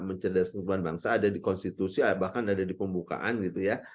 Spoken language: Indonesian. mencerdas pertumbuhan bangsa ada di konstitusi bahkan ada di pembukaan gitu ya